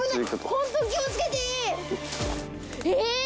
ホント気を付けて。